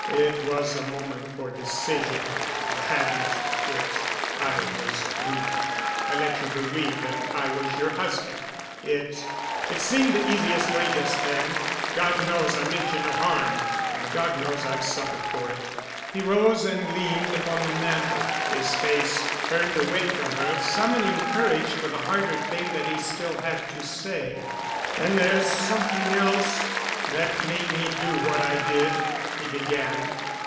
"It was a moment for a decision. I hadn't it. I was weak. I let you believe that I was your husband. It—it seemed the easiest way just then. God knows I meant you no harm. And God knows I've suffered for it." He rose and leaned upon the mantel, his face turned away from her, summoning courage for the harder thing that he still had to say. "And there's something else, that made me do what I did——" he began.